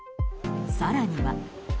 更には。